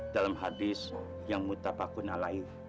dalam hadis yang mutafakun alaif